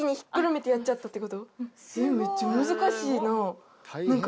めっちゃ難しいなぁ。